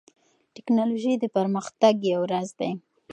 ټیکنالوژي د پرمختګ یو راز دی.